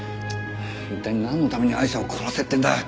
一体なんのためにアイシャを殺せっていうんだ！